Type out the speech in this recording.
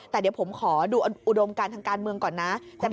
แต่เดี๋ยวผมขอดูอุดมการทางการเมืองก่อนนะ